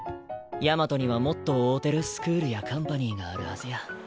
大和にはもっと合うてるスクールやカンパニーがあるはずや。